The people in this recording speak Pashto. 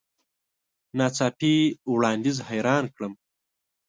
نا څاپي وړاندیز حیران کړم .